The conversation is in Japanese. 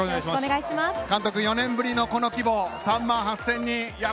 ４年ぶりのこの規模３万８０００人です。